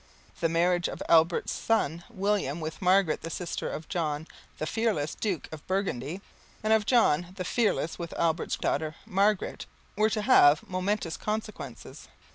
The marriages of Albert's son, William, with Margaret the sister of John the Fearless, Duke of Burgundy, and of John the Fearless with Albert's daughter, Margaret, were to have momentous consequences.